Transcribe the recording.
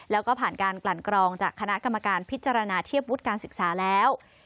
แล้วก็ผ่านการกลั่นกรองจากคณะกรรมการพิจารณาเทียบวุฒิการศึกษาแล้ว